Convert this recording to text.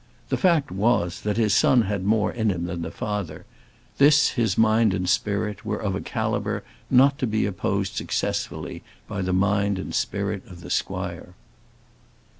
The fact was, that the son had more in him than the father; this his mind and spirit were of a calibre not to be opposed successfully by the mind and spirit of the squire.